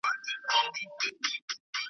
په ښکلیو نجونو چی ستایلی وم کابل نه یمه .